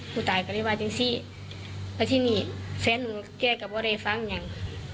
กูตายก็เลยว่าจริงสิแล้วที่นี่แฟนหนูแก้กับว่าอะไรฟังอย่าง